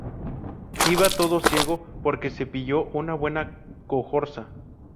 Iba todo ciego porque se pilló una buena cogorza